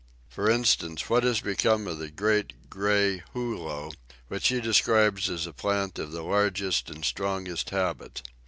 For instance, what has become of the "great gray Hulo" which he describes as a plant of the largest and strongest habit?